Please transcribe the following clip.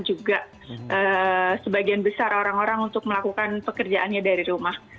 juga sebagian besar orang orang untuk melakukan pekerjaannya dari rumah